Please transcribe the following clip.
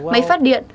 máy phát điện